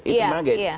itu memang gitu